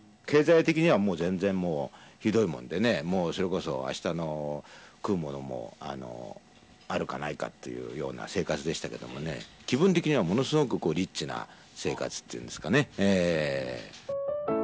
経済的にはもう全然もう、ひどいもんでね、もうそれこそ、あしたの食うものもあるかないかっていうような生活でしたけれどもね、気分的にはものすごくリッチな生活っていうんですかね。